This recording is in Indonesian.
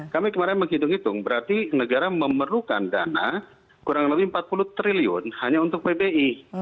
kami kemarin menghitung hitung berarti negara memerlukan dana kurang lebih empat puluh triliun hanya untuk pbi